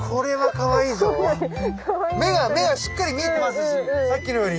目がしっかり見えてますしさっきのより。